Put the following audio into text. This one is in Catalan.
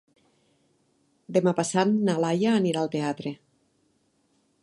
Demà passat na Laia anirà al teatre.